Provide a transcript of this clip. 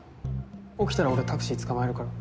起きたら俺タクシー捕まえるから。